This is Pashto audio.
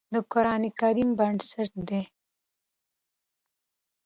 د قرآن کريم بنسټ دی